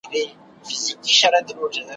چي ناحقه پردي جنگ ته ورگډېږي ,